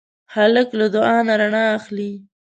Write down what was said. هلک له دعا نه رڼا اخلي.